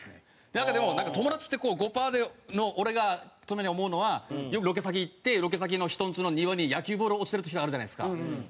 なんかでも「友達」って５パーで俺がたまに思うのはよくロケ先行ってロケ先の人んちの庭に野球ボールが落ちてる時とかあるじゃないですか。